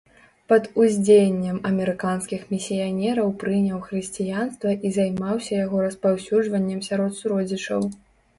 Пад уздзеяннем амерыканскіх місіянераў прыняў хрысціянства і займаўся яго распаўсюджваннем сярод суродзічаў.